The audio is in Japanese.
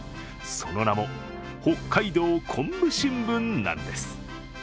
その名も北海道昆布新聞なんです。